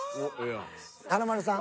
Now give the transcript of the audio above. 華丸さん。